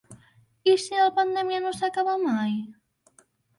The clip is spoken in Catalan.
I si la pandèmia no s’acaba mai?